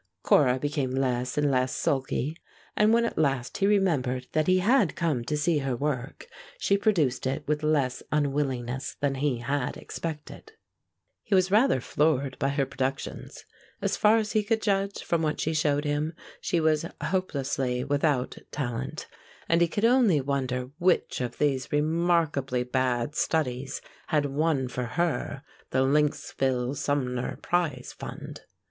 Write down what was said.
Cora became less and less sulky, and when at last he remembered that he had come to see her work, she produced it with less unwillingness than he had expected. He was rather floored by her productions. As far as he could judge from what she showed him, she was hopelessly without talent, and he could only wonder which of these remarkably bad studies had won for her the Lynxville Sumner Prize Fund.